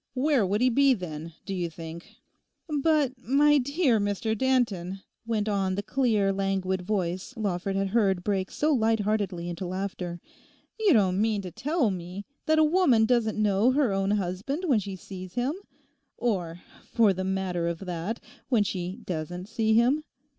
Where would he be then, do you think?' 'But my dear Mr Danton,' went on the clear, languid voice Lawford had heard break so light heartedly into laughter, 'you don't mean to tell me that a woman doesn't know her own husband when she sees him—or, for the matter of that, when she doesn't see him?